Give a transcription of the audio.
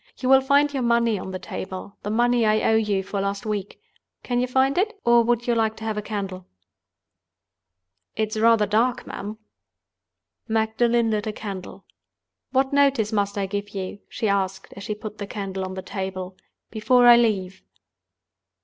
You will find your money on the table—the money I owe you for last week. Can you find it? or would you like to have a candle?" "It's rather dark, ma'am." Magdalen lit a candle. "What notice must I give you," she asked, as she put the candle on the table, "before I leave?"